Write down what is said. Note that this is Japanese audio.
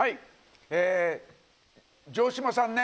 え城島さんね。